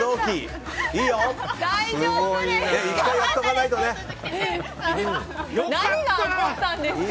大丈夫ですか？